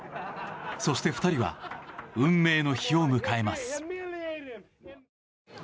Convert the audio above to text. そして、２人は運命の日を迎えます。